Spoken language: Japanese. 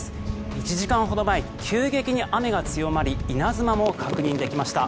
１時間ほど前急激に雨が強まり稲妻も確認できました。